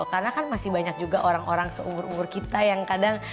karena kan masih banyak juga orang orang seumur umur kita yang kadang